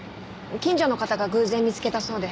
近所の方が偶然見つけたそうで。